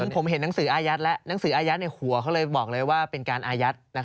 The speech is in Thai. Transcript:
ผมเห็นหนังสืออายัดแล้วหนังสืออายัดหัวเขาเลยบอกเลยว่าเป็นการอายัด